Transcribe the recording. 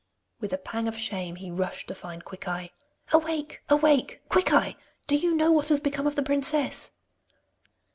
With a pang of shame, he rushed to find Quickeye. 'Awake! Awake! Quickeye! Do you know what has become of the princess?